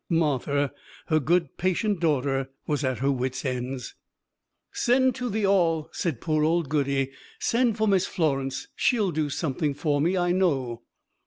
Martha, her good patient daughter, was at her wits' ends. "Send to the 'All'!" said poor old Goody. "Send for Miss Florence! She'll do something for me, I know."